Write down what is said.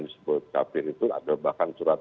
disebut kapir itu ada bahkan surat